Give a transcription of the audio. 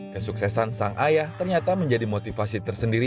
kesuksesan sang ayah ternyata menjadi motivasi tersendiri